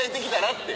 って。